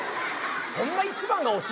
そんな一番が欲しい？